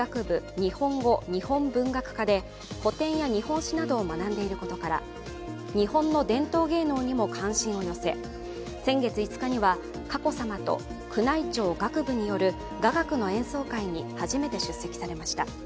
日本語日本文学科で古典や日本史などを学んでいることから日本の伝統芸能にも関心を寄せ、先月５日には佳子さまと宮内庁楽部による雅楽の演奏会に初めて出席されました。